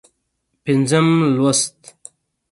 پينځم لوست